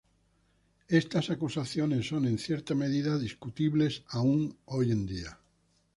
Estas acusaciones son en cierta medida discutibles aun hoy en día.